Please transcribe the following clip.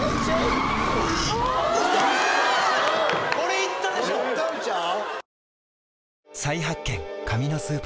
これいったでしょう！？